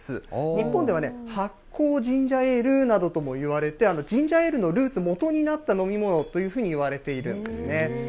日本では発酵ジンジャーエールなどともいわれて、ジンジャーエールのルーツ、もとになった飲み物というふうにいわれているんですね。